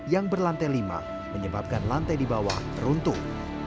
yang berlantai lima menyebabkan lantai di bawah runtuh